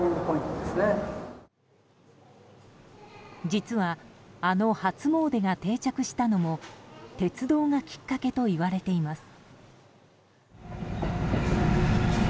実はあの初詣が定着したのも鉄道がきっかけといわれています。